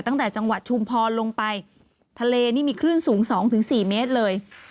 ตั้งแต่จังหวัดชุมพรลงไปทะเลนี่มีคลื่นสูง๒๔เมตรเลย